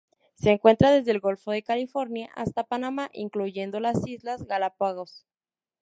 Se encuentra desde el golfo de California hasta Panamá, incluyendo las islas Galápagos.